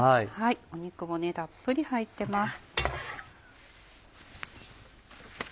肉もたっぷり入ってます。